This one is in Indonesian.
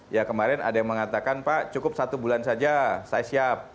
ya kemarin ada yang mengatakan pak cukup satu bulan saja saya siap